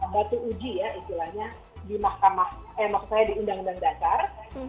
batu uji ya istilahnya di undang dan dasar